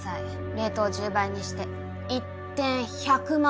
レートを１０倍にして１点１００万で。